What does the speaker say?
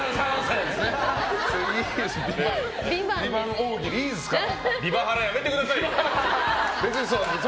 大喜利いいですから。